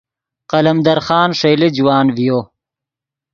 قلمدر خان ݰئیلے جوان ڤیو